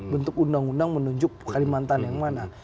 bentuk undang undang menunjuk kalimantan yang mana